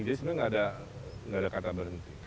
jadi sebenarnya tidak ada kata berhenti